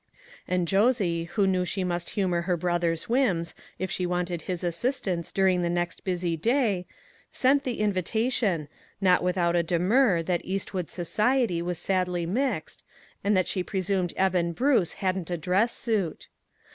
And Josie, who knew she must humor her brother's whims, if she wanted his assistance during the next busy day, sent the invita tion, not without a demur that Eastwood society was sadly mixed, and that she pre sumed Eben Bruce hadn't a dress suit.